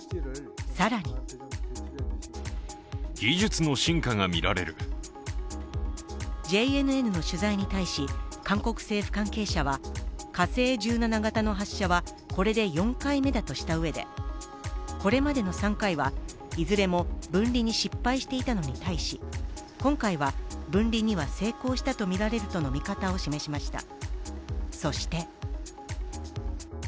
更にＪＮＮの取材に対し韓国政府関係者は火星１７型の発射はこれで４回目だとしたうえで、これまでの３回は、いずれも分離に失敗していたのに対し、今回は分離には成功したとみられるとの見方を示しました。